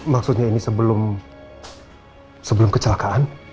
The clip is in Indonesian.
maksudnya ini sebelum kecelakaan